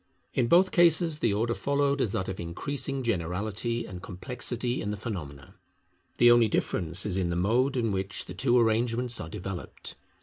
In both cases the order followed is that of increasing generality and complexity in the phenomena. The only difference is in the mode in which the two arrangements are developed.